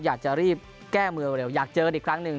อยากจะรีบแก้มือเร็วอยากเจออีกครั้งหนึ่ง